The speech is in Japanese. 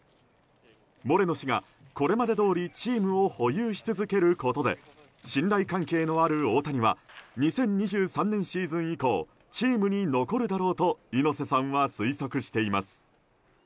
モレノ氏が、これまでどおりチームを保有し続けることで信頼関係のある大谷は２０２３年シーズン以降チームに残るだろうと猪瀬さんは推測しています。